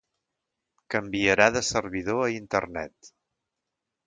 Canviarà de servidor a internet.